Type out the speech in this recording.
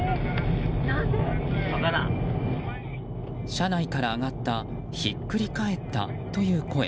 車内から上がったひっくり返ったという声。